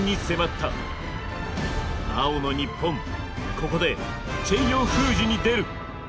ここでチェイヨー封じに出る。